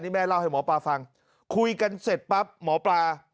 นี่แม่เล่าให้หมอปลาฟังคุยกันเสร็จปั๊บหมอปลา